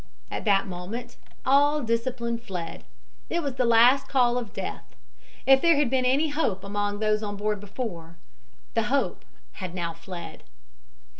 At that moment all discipline fled. It was the last call of death. If there had been any hope among those on board before, the hope now had fled.